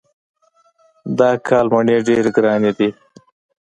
دا کال مڼې ډېرې ګرانې دي.